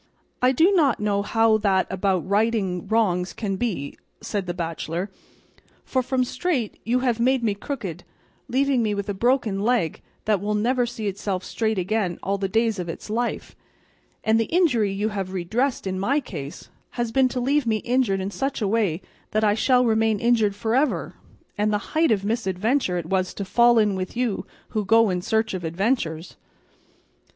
"I do not know how that about righting wrongs can be," said the bachelor, "for from straight you have made me crooked, leaving me with a broken leg that will never see itself straight again all the days of its life; and the injury you have redressed in my case has been to leave me injured in such a way that I shall remain injured for ever; and the height of misadventure it was to fall in with you who go in search of adventures."